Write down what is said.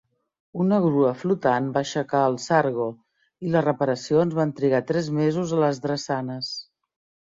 Una grua flotant va aixecar el "Sargo" i les reparacions van trigar tres mesos a les drassanes.